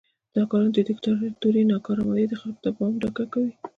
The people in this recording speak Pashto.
دا کارونه د دیکتاتورۍ ناکارآمدي خلکو ته په ډاګه کوي.